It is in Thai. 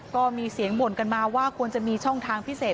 ก็มีเสียงบ่นกันมาว่าควรจะมีช่องทางพิเศษ